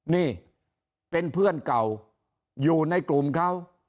นี่เป็นเพื่อนเก่าอยู่ในกลุ่มเขา